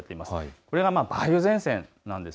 これが梅雨前線なんです。